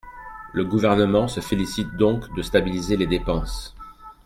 La Gouvernement se félicite donc de stabiliser les dépenses.